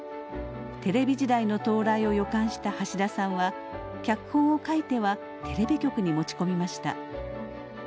テレビ時代の到来を予感した橋田さんは脚本を書いてはテレビ局に持ち込みました。